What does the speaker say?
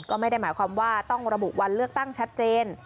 ก็ไม่ได้หมายความว่าต้องระบุวันเลือกตั้งชัดเจน